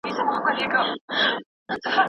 خو هغوی نه پوهیږي